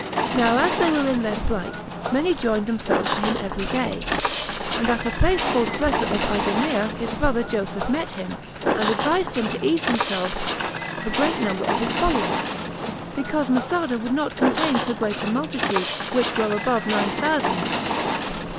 Now as they were in their flight, many joined themselves to him every day; and at a place called Thressa of Idumea his brother Joseph met him, and advised him to ease himself of a great number of his followers, because Masada would not contain so great a multitude, which were above nine thousand.